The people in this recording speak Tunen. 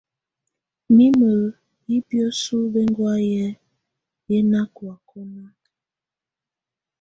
Mimǝ yɛ̀ biǝ́suǝ́ bɛ̀ŋgɔ̀áyɛ̀ yɛ nà kɔ̀ákɔna.